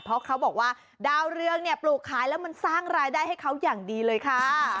เพราะเขาบอกว่าดาวเรืองเนี่ยปลูกขายแล้วมันสร้างรายได้ให้เขาอย่างดีเลยค่ะ